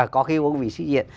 có khi uống vì sĩ diện